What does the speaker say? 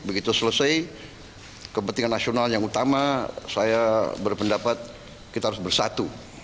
begitu selesai kepentingan nasional yang utama saya berpendapat kita harus bersatu